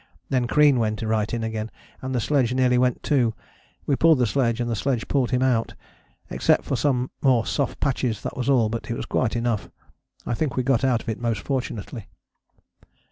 Then Crean went right in again, and the sledge nearly went too: we pulled the sledge, and the sledge pulled him out. Except for some more soft patches that was all, but it was quite enough. I think we got out of it most fortunately."